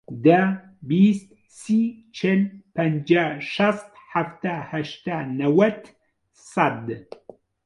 دە، بیست، سی، چل، پەنجا، شەست، حەفتا، هەشتا، نەوەت، سەد.